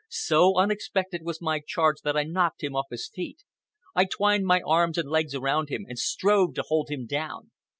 So unexpected was my charge that I knocked him off his feet. I twined my arms and legs around him and strove to hold him down.